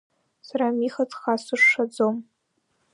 Сара Миха дхасышшааӡом.